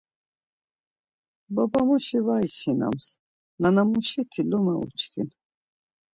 Baba muşi var içinams, nana muşiti lome uçkin.